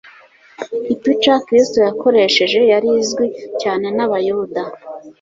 Ipica Kristo yakoresheje yari izwi cyane n'Abayuda.